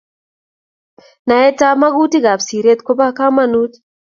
Naetab magutik ab siret ko bo kamanut